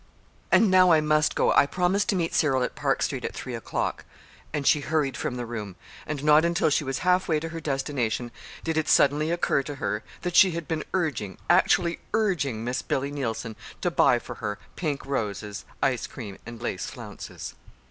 "And now I must go. I promised to meet Cyril at Park Street at three o'clock." And she hurried from the room and not until she was half way to her destination did it suddenly occur to her that she had been urging, actually urging Miss Billy Neilson to buy for her pink roses, ice cream, and lace flounces.